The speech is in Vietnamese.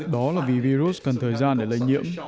đó là vì virus cần thời gian để lây nhiễm